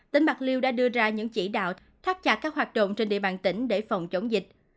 tỉnh bạc liêu đã đưa ra những chỉ đạo thắt chặt các hoạt động trên địa bàn tỉnh để phòng chống dịch